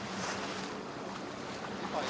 สวัสดีครับคุณผู้ชาย